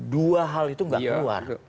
dua hal itu nggak keluar